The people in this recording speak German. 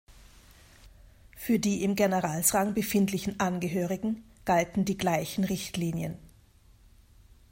Für die im Generalsrang befindlichen Angehörigen galten die gleichen Richtlinien.